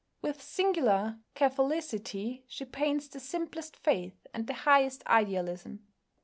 With singular catholicity she paints the simplest faith and the highest idealism.